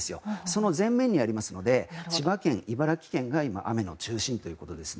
その前面にありますので千葉県、茨城県が今、雨の中心ということです。